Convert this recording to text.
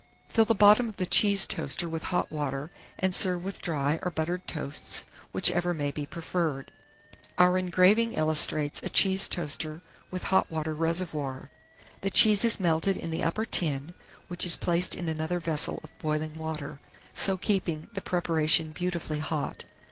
Fill the bottom of the cheese toaster with hot water, and serve with dry or buttered toasts, whichever may be preferred. Our engraving illustrates a cheese toaster with hot water reservoir: the cheese is melted in the upper tin, which is placed in another vessel of boiling water, so keeping the preparation beautifully hot.